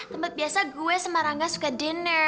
tempat biasa gue semarangga suka dinner